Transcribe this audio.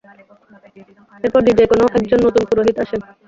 এরপর গির্জায় কোনও একজন নতুন পুরোহিত আসেন।